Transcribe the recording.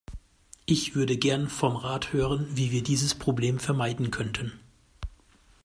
Ich würde gern vom Rat hören, wie wir dieses Problem vermeiden könnten.